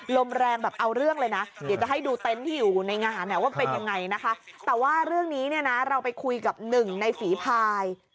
หายใจก่อนน่ะเนื่อย